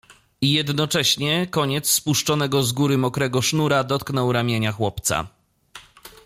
I jednocześnie koniec spuszczonego z góry mokrego sznura dotknął ramienia chłopca.